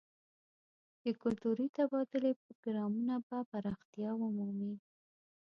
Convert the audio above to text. د کلتوري تبادلې پروګرامونه به پراختیا ومومي.